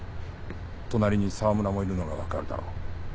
隣に澤村もいるのが分かるだろう。